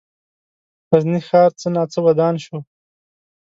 غزني ښار څه ناڅه ودان شو.